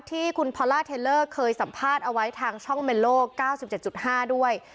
ที่คุณพอล่าเทลเลอร์เคยสัมภาษณ์เอาไว้ทางช่องเมลโล๙๗๕ด้วย